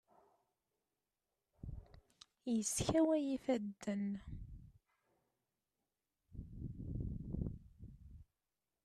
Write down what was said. Yeskaway ifaden.